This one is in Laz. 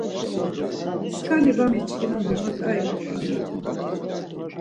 Skani var miçkin ama ma ǩai map̌aramiten.